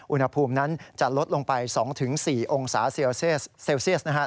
อุณหภูมินั้นจะลดลงไป๒๔องศาเซลเซียสนะครับ